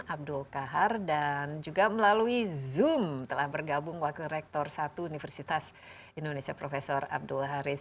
abdul kahar dan juga melalui zoom telah bergabung wakil rektor satu universitas indonesia prof abdul haris